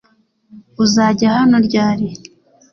uzajya hano ryari